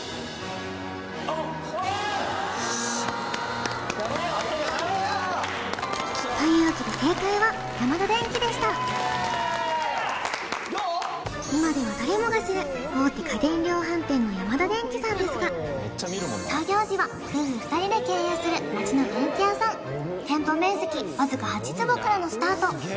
あっそれや！というわけで正解はヤマダデンキでした今では誰もが知る大手家電量販店のヤマダデンキさんですが創業時は夫婦２人で経営する町の電機屋さん店舗面積わずか８坪からのスタート